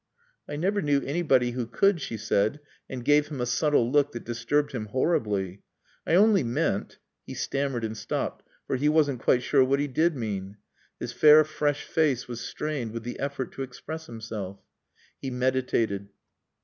"I never knew anybody who could," she said, and gave him a subtle look that disturbed him horribly. "I only meant " He stammered and stopped, for he wasn't quite sure what he did mean. His fair, fresh face was strained with the effort to express himself. He meditated.